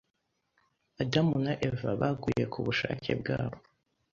Adamu na Eva baguye kubushake bwabo